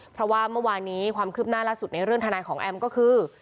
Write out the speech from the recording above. เพราะว่าเมื่อวานนี้ความคืบหน้าล่าสุดในเรื่องทนายของแอมก็คือ